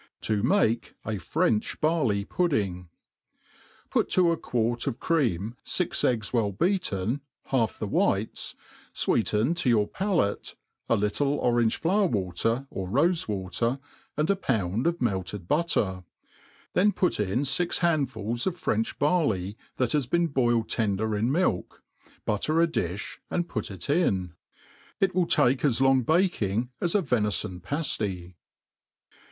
To mah a Fnncb'Barbj'^ud&tgi PUT to a quart of cream fix eggs well beaten, half th<^ whitcsf, fwecteii to yt)ur palate, a litdc orange flower water, or ro(b water« and a pound of melted butter; then put in fix l^andfuis of French barley, that has been boi)ed tender in milk, Sutfer a dilh, and piit it in. It will take as long baking as a Tenifon«pafty.